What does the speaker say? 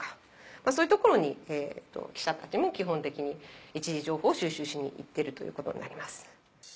そういうところに記者たちも基本的に一次情報を収集しに行っているということになります。